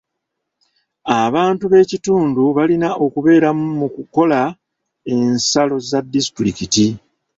Abantu b'ekitundu balina okubeeramu mu kukola ensalo za disitulikiti.